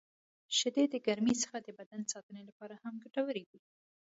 • شیدې د ګرمۍ څخه د بدن ساتنې لپاره هم ګټورې دي.